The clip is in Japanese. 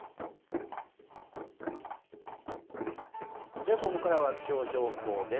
ではここからは気象情報です。